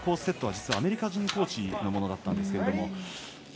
セットは実はアメリカ人コーチのものだったんですけれども。